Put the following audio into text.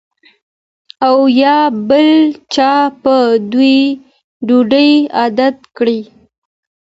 او یا بل چا په ډوډۍ عادت کړی